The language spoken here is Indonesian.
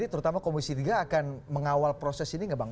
nah ini terutama komisi tiga akan mengawal proses ini gak bang